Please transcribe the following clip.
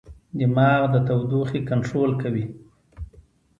دماغ د تودوخې کنټرول کوي.